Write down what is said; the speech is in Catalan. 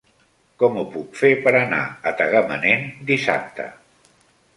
Com ho puc fer per anar a Tagamanent dissabte?